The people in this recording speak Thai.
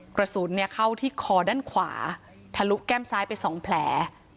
กระสุนเข้าที่คอด้านขวาทะลุแก้มซ้ายไป๒แผล